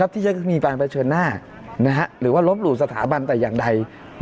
ที่จะมีการเผชิญหน้าหรือว่าลบหลู่สถาบันแต่อย่างใด